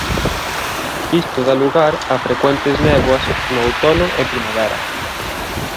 Isto da lugar a frecuentes néboas no outono e primavera.